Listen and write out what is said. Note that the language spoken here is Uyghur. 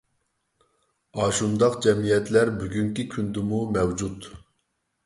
ئاشۇنداق جەمئىيەتلەر بۈگۈنكى كۈندىمۇ مەۋجۇت.